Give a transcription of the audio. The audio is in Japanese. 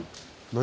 何？